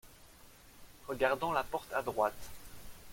Regardant la porte à droite.